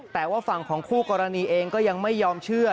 แต่ว่าฝั่งของคู่กรณีเองก็ยังไม่ยอมเชื่อ